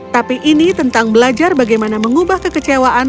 tapi ini tentang belajar bagaimana mengubah kekecewaan